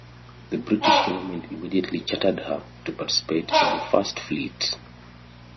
The British government immediately chartered her to participate in the First Fleet.